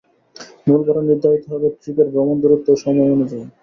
মূল ভাড়া নির্ধারিত হবে ট্রিপের ভ্রমণ দূরত্ব ও সময় অনুযায়ী।